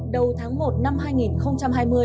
đầu tháng một năm hai nghìn hai mươi